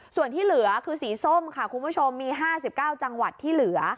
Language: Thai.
ส่วนที่เหลือคือสีส้มค่ะคุณผู้ชมมี๕๙จังหวัดที่เหลือ